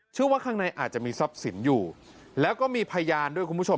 ข้างในอาจจะมีทรัพย์สินอยู่แล้วก็มีพยานด้วยคุณผู้ชม